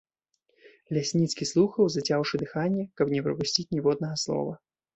Лясніцкі слухаў, зацяўшы дыханне, каб не прапусціць ніводнага слова.